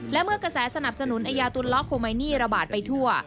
และเมื่อกระแสสนับสนุนไอยาตุลล้อโคไมนี่ระบาดไปทั่ว